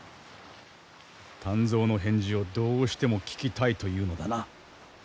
湛増の返事をどうしても聞きたいというのだな。